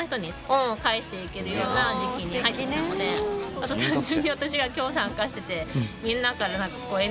あと単純に私が今日参加してて。